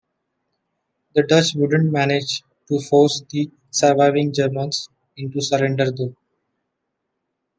The Dutch wouldn't manage to force the surviving Germans into surrender though.